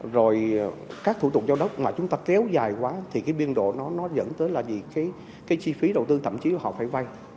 rồi các thủ tục giao đất mà chúng ta kéo dài quá thì cái biên độ nó dẫn tới là vì cái chi phí đầu tư thậm chí là họ phải vay